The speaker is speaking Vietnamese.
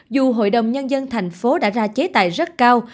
dù hội đồng nhân dân thành phố đã ra chế tài rất cao